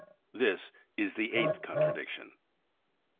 This is the eighth contradiction.